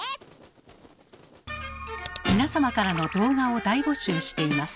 皆様からの動画を大募集しています。